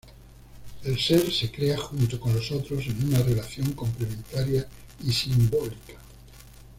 El ser se crea junto con los otros en una relación complementaria y simbólica.